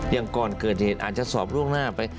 อย่างก่อนเกิดเหตุอาจจะสอบล่วงหน้าไป